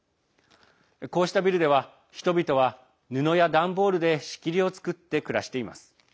こうしたビルでは人々は布や段ボールで仕切りを作って暮らしています。